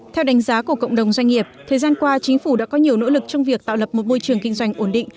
theo đánh giá của cộng đồng doanh nghiệp thời gian qua chính phủ đã có nhiều nỗ lực trong việc tạo lập một môi trường kinh doanh ổn định